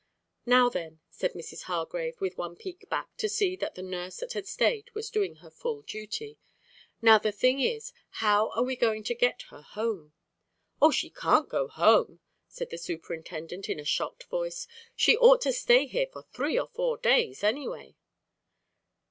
"Now then," said Mrs. Hargrave with one peek back to see that the nurse that had stayed was doing her full duty, "now the thing is, how are we going to get her home?" "Oh, she can't go home," said the superintendent in a shocked voice. "She ought to stay here for three or four days anyway."